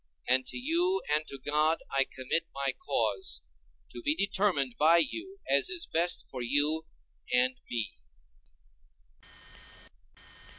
And to you and to God I commit my cause, to be determined by you as is best for you and me.